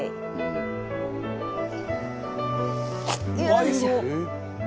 よいしょ！